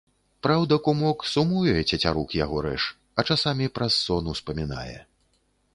Праўда, кумок, сумуе, цецярук яго рэж, а часамі праз сон успамінае.